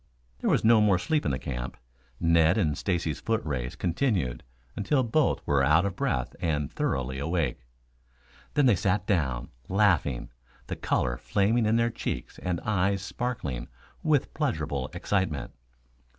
There was no more sleep in the camp. Ned and Stacy's foot race continued until both were out of breath and thoroughly awake. Then they sat down, laughing, the color flaming in their cheeks and eyes sparkling with pleasurable excitement.